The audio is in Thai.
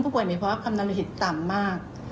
ผู้โบยมีภาพคำนานวิธิต่ำมาก